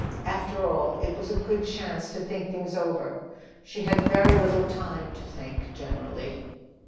After all, it was a good chance to think things over. She had very little time to think, generally.